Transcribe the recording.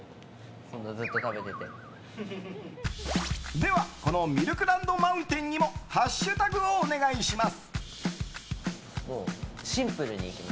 では、このミルクランド・マウンテンにもハッシュタグをお願いします！